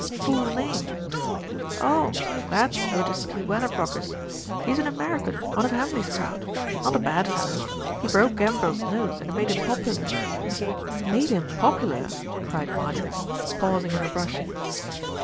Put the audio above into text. "Fool name." "Oh! that's Otis P. Wannerbocker's. He's an American, one of Hambly's crowd. Not a bad fellow. He broke Gambrill's nose, and it made him popular." "Made him popular!" cried Marjorie, pausing in her brushing.